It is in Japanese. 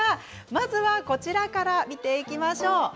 まずはこちらから見ていきましょう。